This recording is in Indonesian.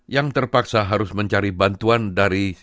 yang terpaksa harus mencari bantuan dari